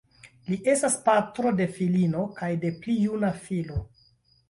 Li estas patro de filino kaj de pli juna filo.